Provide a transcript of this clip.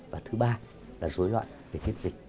và thứ ba là rối loạn về tiết dịch